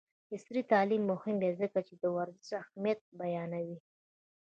عصري تعلیم مهم دی ځکه چې د ورزش اهمیت بیانوي.